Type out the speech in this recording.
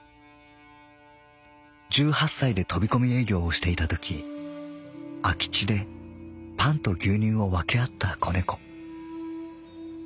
十八歳で飛びこみ営業をしていたとき空き地でパンと牛乳をわけあった仔猫。